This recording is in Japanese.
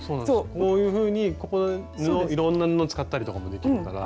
こういうふうにいろんな布を使ったりとかもできるから。